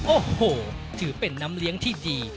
โอ้โหถือเป็นน้ำเลี้ยงที่ดี